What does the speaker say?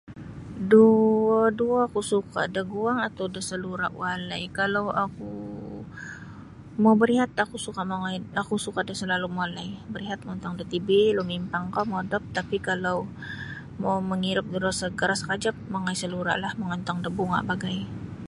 Duo-duo oku suka da guang atau da salura walai kalau oku mau barihat oku suka mongoi oku suka da salalum walai barihat mongontong da tv lumimpang kah modop tapi kalau mangirup udara segar sekejap mongoi saluralah mongontong da bunga bagai.